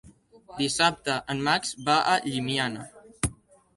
Dissabte en Max va a Llimiana.